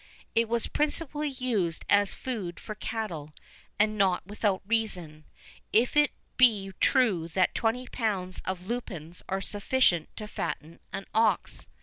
[VI 12] It was principally used as food for cattle, and not without reason, if it be true that twenty pounds of lupins are sufficient to fatten an ox.